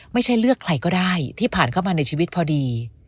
ไม่ใช่เลือกใครก็ได้ที่ผ่านเข้ามาในชีวิตพอดี